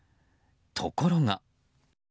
ところが。